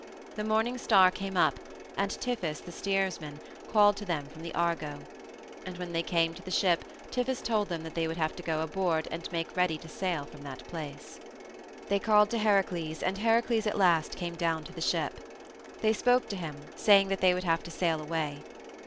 The morning star came up, and Tiphys, the steersman, called to them from the Argo. And when they came to the ship Tiphys told them that they would have to go aboard and make ready to sail from that place. They called to Heracles, and Heracles at last came down to the ship. They spoke to him, saying that they would have to sail away.